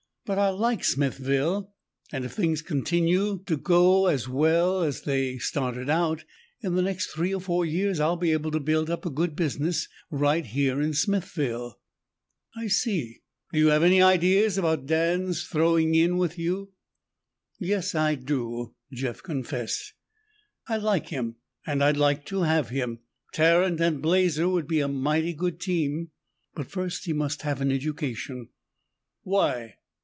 "But I like Smithville, and if things continue to get as well as they've started out, in the next three or four years I'll be able to build up a good business right in Smithville." "I see. Do you have any ideas about Dan's 'throwing in' with you?" "Yes I do," Jeff confessed. "I like him and I'd like to have him; Tarrant and Blazer would be a mighty good team. But first he must have an education." "Why?"